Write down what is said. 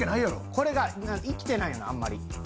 これが生きてないよなあんまり。